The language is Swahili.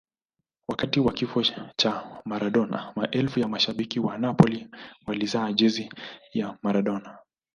wakati wa kifo cha maradona maelfu ya mashabiki wa napoli walizaa jezi ya maradona